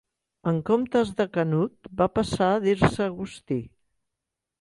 En comptes de Canut va passar a dir-se Agustí.